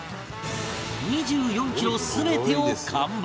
２４キロ全てを完売！